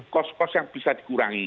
cost cost yang bisa dikurangi